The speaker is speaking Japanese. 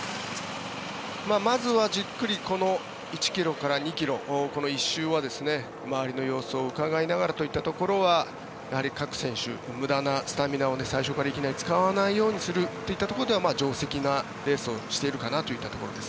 まずはじっくりこの１ｋｍから２ｋｍこの１周は周りの様子を伺いながらといったところはやはり各選手、無駄なスタミナを最初からいきなり使わないようにするといったところでは定石なレースをしているかなといったところです。